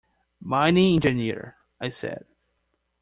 “Mining engineer,” I said.